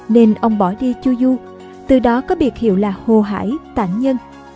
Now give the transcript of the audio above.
nên ông bỏ đi chu du từ đó có biệt hiệu là hồ hải tản nhân